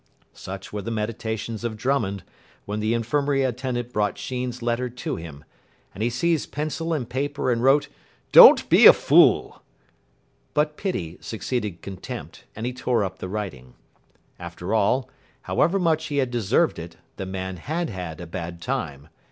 Such were the meditations of Drummond when the infirmary attendant brought Sheen's letter to him; and he seized pencil and paper and wrote, "Don't be a fool". But pity succeeded contempt, and he tore up the writing. After all, however much he had deserved it, the man had had a bad time.